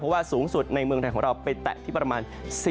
เพราะว่าสูงสุดในเมืองไทยของเราไปแตะที่ประมาณ